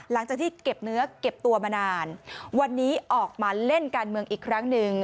หลังจากที่เก็บเนื้อเก็บตัวมานานวันนี้ออกมาเล่นการเมืองอีกครั้งหนึ่ง